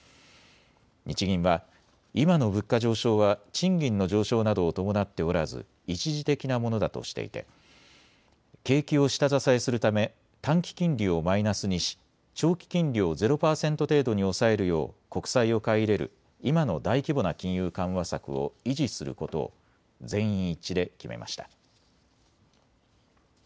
日銀は今の物価上昇は賃金の上昇などを伴っておらず一時的なものだとしていて景気を下支えするため短期金利をマイナスにし長期金利をゼロ％程度に抑えるよう国債を買い入れる今の大規模な金融緩和策を維持することを全員一致で決めました。